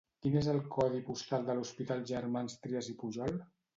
Quin és el codi postal de l'Hospital Germans Trias i Pujol?